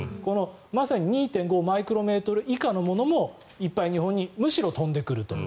まさに２．５マイクロメートル以下のものもいっぱい日本にむしろ飛んでくると。